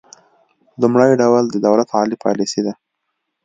لومړی ډول د دولت عالي پالیسي ده